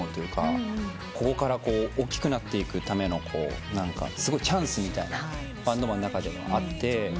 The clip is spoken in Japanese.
ここから大きくなっていくためのチャンスみたいなバンドマンの中ではあって。